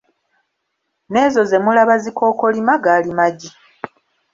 N'ezo ze mulaba ezikookolima gaali magi.